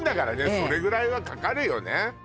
それぐらいはかかるよね